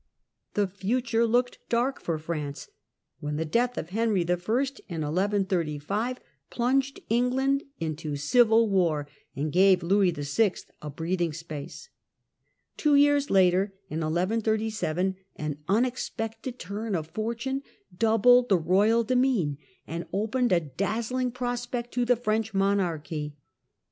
The future looked dark for France when the death of Henry I. in 1135 plunged England into civil war, and gave Louis VI. a breathing space. Two years later, in 1137, an unexpected turn of fortune doubled the royal demesne and opened a dazzling prospect to the French monarchy.